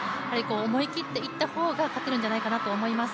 思い切っていった方が勝てるんじゃないかなと思います。